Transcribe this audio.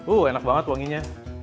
uh enak banget wanginya